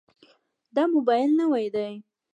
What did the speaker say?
دا موبایل نوی دی.